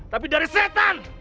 tapi dari setan